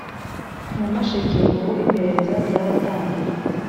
Nyamasheke ubu iperereza ryaratangiye